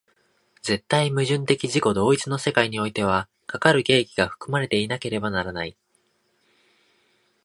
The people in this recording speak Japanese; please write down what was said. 絶対矛盾的自己同一の世界においては、かかる契機が含まれていなければならない。